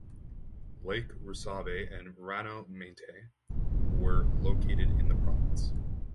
Lake Rasoabe and Ranomainty were located in the province.